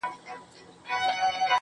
پوړني به د ټول هيواد دربار ته ور وړم~